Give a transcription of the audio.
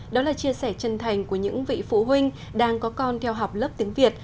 đó là chia sẻ chân thành của những vị phụ huynh đang có con theo học lớp tiếng việt